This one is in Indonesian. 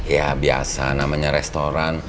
ya biasa namanya restoran